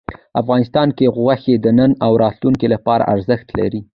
افغانستان کې غوښې د نن او راتلونکي لپاره ارزښت لري.